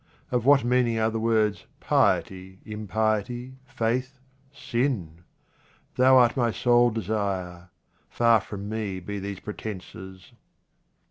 Of what mean ing are the words Piety, Impiety, Faith, Sin? Thou art my sole desire. Far from me be these pretences.